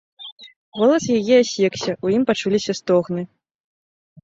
Голас яе асекся, у ім пачуліся стогны.